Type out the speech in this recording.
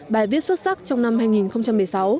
bài viết xuất sắc trong năm hai nghìn một mươi sáu